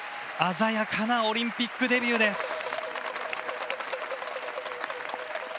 鮮やかなオリンピックデビューです。